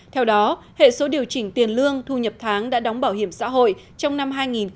theo đó hệ số điều chỉnh tiền lương thu nhập tháng đã đóng bảo hiểm xã hội trong năm hai nghìn hai mươi